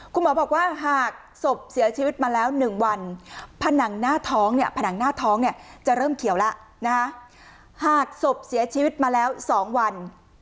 คุณหมอบอกว่าหากศพเสียชีวิตมาแล้ว๑วันผนังหน้าท้องจะเริ่มเขียวแล้วหากศพเสียชีวิตมาแล้ว๒วัน